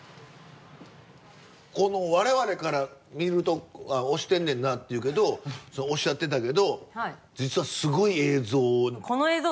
我々から見ると押してんねんなっていうけどおっしゃってたけど今？